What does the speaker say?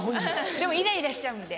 でもイライラしちゃうんで。